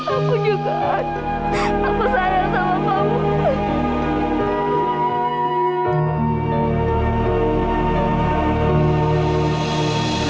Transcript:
aku juga aku sayang sama kamu